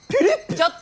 ちょっと。